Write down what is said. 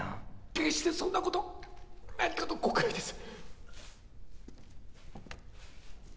決してそんなこと何かの誤解です